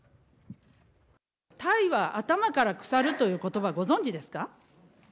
タイは頭から腐るということば、ご存じですか？